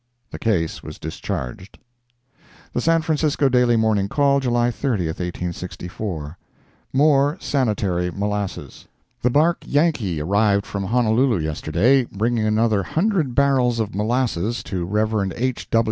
The case was discharged The San Francisco Daily Morning Call, July 30, 1864 MORE SANITARY MOLASSES The bark Yankee arrived from Honolulu yesterday, bringing another hundred barrels of molasses to Rev. H.